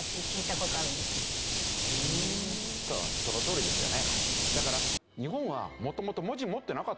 そうそのとおりですよね。